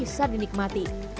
jadi kita bisa menikmati